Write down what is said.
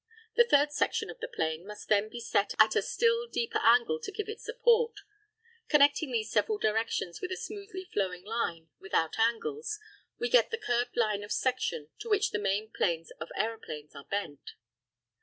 The third section of the plane must then be set at a still deeper angle to give it support. Connecting these several directions with a smoothly flowing line without angles, we get the curved line of section to which the main planes of aeroplanes are bent.